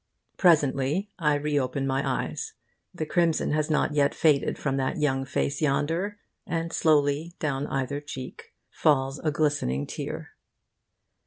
Presently I re open my eyes. The crimson has not yet faded from that young face yonder, and slowly down either cheek falls a glistening tear.